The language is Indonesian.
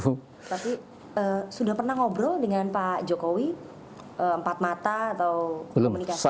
tapi sudah pernah ngobrol dengan pak jokowi empat mata atau komunikasi